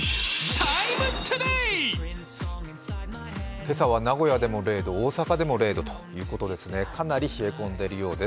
今朝は名古屋でも０度、大阪でも０度ということでかなり冷え込んでいるようです。